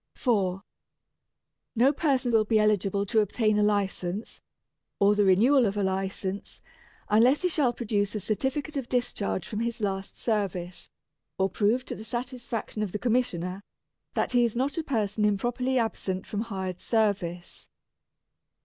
4. No person will be eligible to obtain a License, or the renewal of a License, unless he shall produce a certificate of discharge from his last service, or prove to the satisfaction of the Commissioner that he is not a person improperly absent from hired service.